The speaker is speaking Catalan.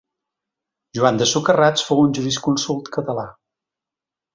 Joan de Socarrats fou un jurisconsult català.